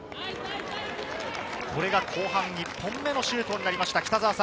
これが後半１本目のシュートになりました。